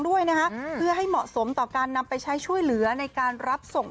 ด้วยนะคะเพื่อให้เหมาะสมต่อการนำไปใช้ช่วยเหลือในการรับส่ง